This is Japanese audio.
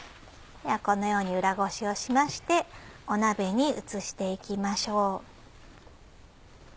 このように裏ごしをしまして鍋に移して行きましょう。